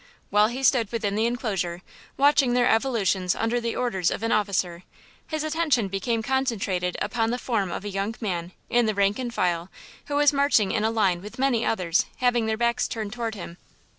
While he stood within the enclosure, watching their evolutions under the orders of an officer, his attention became concentrated upon the form of a young man of the rank and file who was marching in a line with many others having their backs turned toward him.